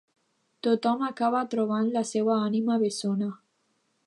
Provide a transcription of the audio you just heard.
Tothom acaba trobant la seva ànima bessona.